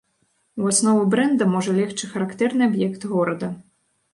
У аснову брэнда можа легчы характэрны аб'ект горада.